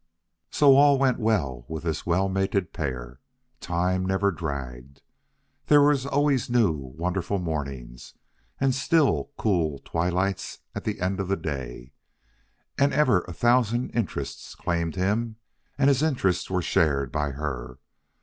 So all went well with this well mated pair. Time never dragged. There were always new wonderful mornings and still cool twilights at the end of day; and ever a thousand interests claimed him, and his interests were shared by her.